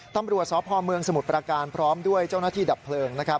ตำรวจสพเมืองสมุทรประการพร้อมด้วยเจ้าหน้าที่ดับเพลิงนะครับ